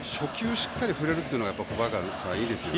しっかり振れるというのは小早川さん、いいですよね。